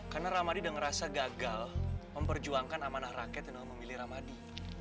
karena ramadi udah ngerasa gagal memperjuangkan amanah rakyat yang memilih ramadi